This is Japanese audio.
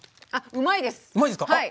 うまいですか。